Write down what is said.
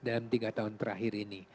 dalam tiga tahun terakhir ini